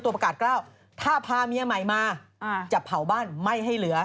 ภาพเมียใหม่มาจับเผาบ้านไหม้ให้เหลือ